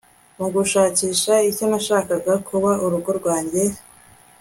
mugushakisha icyo nashakaga kuba urugo rwanjye-